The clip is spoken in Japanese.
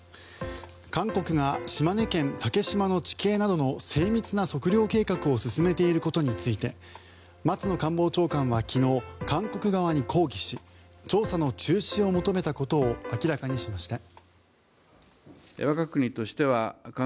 韓国が島根県・竹島の地形などの精密な測量計画を進めていることについて松野官房長官は昨日韓国側に抗議し調査の中止を求めたことを明らかにしました。